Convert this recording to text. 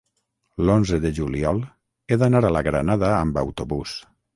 l'onze de juliol he d'anar a la Granada amb autobús.